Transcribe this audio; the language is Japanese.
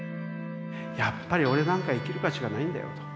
やっぱり俺なんか生きる価値がないんだよと。